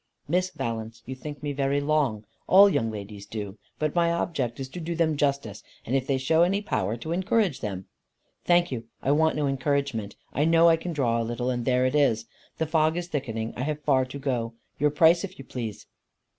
"Miss Valence, you think me very long. All young ladies do. But my object is to do them justice, and if they show any power, to encourage them." "Thank you, I want no encouragement. I know I can draw a little; and there it is. The fog is thickening. I have far to go. Your price, if you please?"